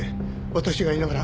私がいながら。